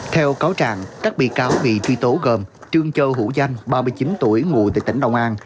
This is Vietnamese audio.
theo cáo trạng các bị cáo bị truy tố gồm trương châu hữu danh ba mươi chín tuổi ngụ tại tỉnh đồng an